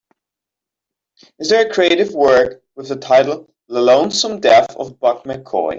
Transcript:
Is there a creative work with the title The Lonesome Death of Buck McCoy